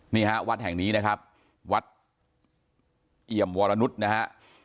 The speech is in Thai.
นี่ฮะวัดแห่งนี้นะครับวัดเอี่ยมวรนุษย์นะฮะ